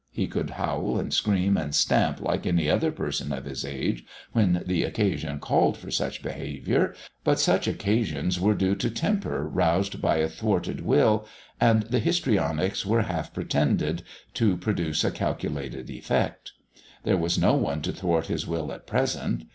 He could howl and scream and stamp like any other person of his age when the occasion called for such behaviour, but such occasions were due to temper roused by a thwarted will, and the histrionics were half "pretended" to produce a calculated effect. There was no one to thwart his will at present.